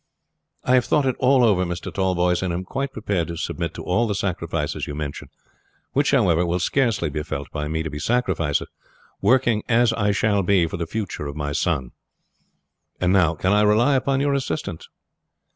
"I have thought it all over, Mr. Tallboys, and am quite prepared to submit to all the sacrifices you mention, which, however, will scarcely be felt by me to be sacrifices, working, as I shall be, for the future of my son. And now, can I rely upon your assistance?"